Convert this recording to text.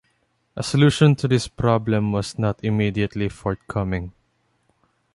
A solution to this problem was not immediately forthcoming.